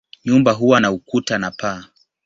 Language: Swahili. Nyumba huwa na ukuta na paa.